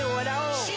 「新！